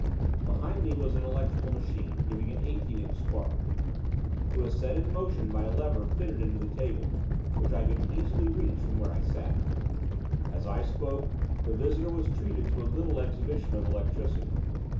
Behind me was an electrical machine, giving an eighteen inch spark. It was set in motion by a lever fitted into the table, which I could easily reach from where I sat. As I spoke the visitor was treated to a little exhibition of electricity.